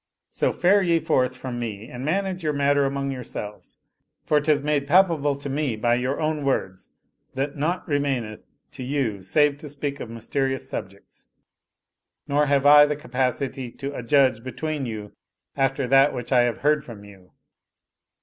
So fare ye forth from me and manage the matter among yourselves, for 'tis made palpable to me by your own words that naught remaineth to you save to speak of mysterious subjects; nor have I the capacity to adjudge be tween you after that which I have heard from you.